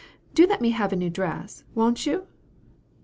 do let me have a new dress, won't you?"